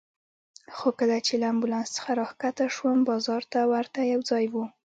خو کله چې له امبولانس څخه راکښته شوم، بازار ته ورته یو ځای و.